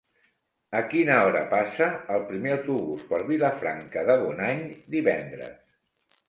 A quina hora passa el primer autobús per Vilafranca de Bonany divendres?